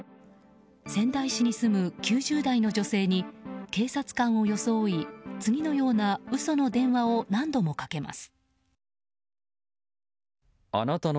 仙台市に住む９０代の女性に警察官を装い次のような嘘の電話を何度もかけます。